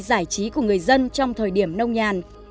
giải trí của người dân trong thời điểm nông nhàn